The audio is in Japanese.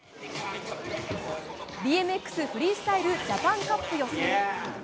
ＢＭＸフリースタイルジャパンカップ予選。